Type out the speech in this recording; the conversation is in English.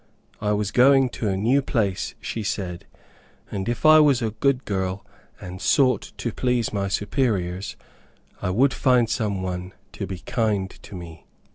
I was going to a new place, she said, and if I was a good girl, and sought to please my superiors, I would find some one to be kind to me.